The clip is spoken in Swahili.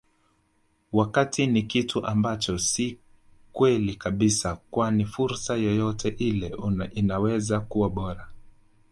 wakati ni kitu ambacho si kweli kabisa kwani fursa yeyote ile inaweza kuwa bora